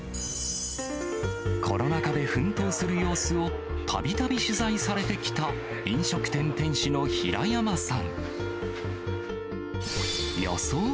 コロナ禍で奮闘する様子をたびたび取材されてきた飲食店店主の平山さん。